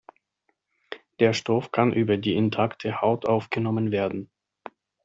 Der Stoff kann über die intakte Haut aufgenommen werden.